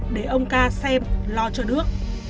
để ông ca xem lo cho đức